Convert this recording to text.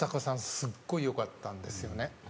すっごい良かったんですよね。